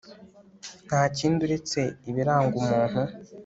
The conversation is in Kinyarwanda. Ntakindi uretse ibiranga umuntu